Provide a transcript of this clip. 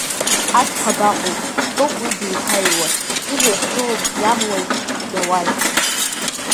Аҵх абаҟоу, дтәоуп уи деиҭаҩуа, ибла ихгылоуп иамуаз, иауаз.